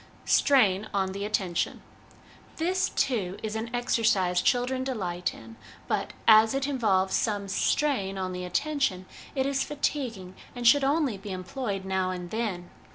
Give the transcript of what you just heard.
Strain on the Attention. This, too, is an exer cise children delight in, but, as it involves some OUT OF DOOR LIFE FOR THE CHILDREN 49 strain on the attention, it is fatiguing, and should only be employed now and then.